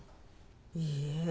いいえ。